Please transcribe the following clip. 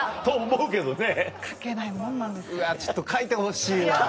うわちょっと描いてほしいわ。